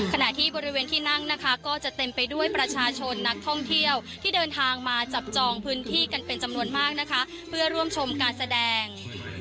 ขณะที่บริเวณที่นั่งนะคะก็จะเต็มไปด้วยประชาชนนักท่องเที่ยวที่เดินทางมาจับจองพื้นที่กันเป็นจำนวนมากนะคะเพื่อร่วมชมการแสดง